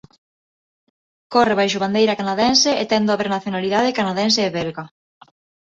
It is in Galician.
Corre baixo bandeira canadense e ten dobre nacionalidade canadense e belga.